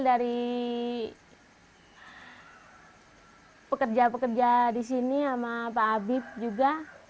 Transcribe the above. dari pekerja pekerja di sini sama pak habib juga